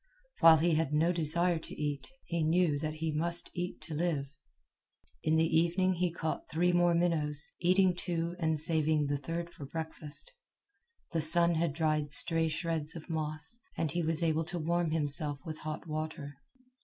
While he had no desire to eat, he knew that he must eat to live. In the evening he caught three more minnows, eating two and saving the third for breakfast. The sun had dried stray shreds of moss, and he was able to warm himself with hot water.